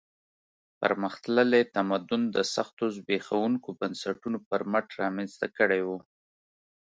پرمختللی تمدن د سختو زبېښونکو بنسټونو پر مټ رامنځته کړی و.